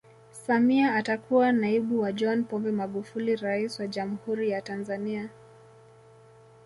Samia atakuwa naibu wa John Pombe Magufuli rais wa Jamhuri ya Tanzania